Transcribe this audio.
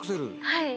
はい。